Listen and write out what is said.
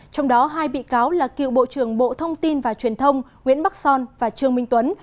trong đó hai bị cáo là cựu bộ trưởng bộ thông tin và truyền thông nguyễn bắc son và trương minh tuấn